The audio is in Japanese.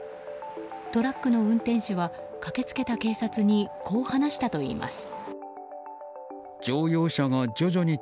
トラックの運転手は駆けつけた警察にこう話したといいます。